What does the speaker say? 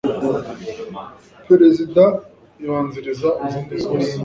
prerzida ibanziriza izindi zose